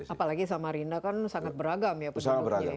apalagi sama rinda kan sangat beragam ya